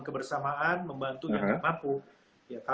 kebersamaan membantu yang tidak mampu